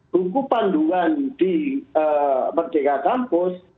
bungku panduan di merdeka kampus